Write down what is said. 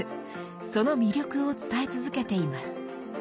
その魅力を伝え続けています。